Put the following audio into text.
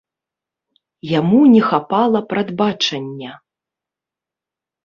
Яму не хапала прадбачання.